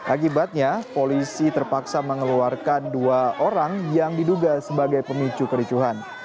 akibatnya polisi terpaksa mengeluarkan dua orang yang diduga sebagai pemicu kericuhan